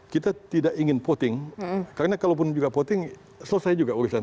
kita tidak ingin voting karena kalaupun juga voting selesai juga urusan